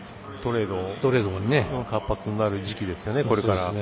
トレードが活発になる時期ですよね、これから。